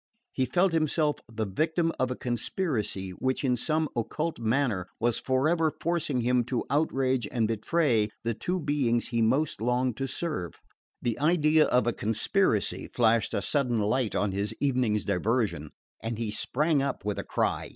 He felt himself the victim of a conspiracy which in some occult manner was forever forcing him to outrage and betray the two beings he most longed to serve. The idea of a conspiracy flashed a sudden light on his evening's diversion, and he sprang up with a cry.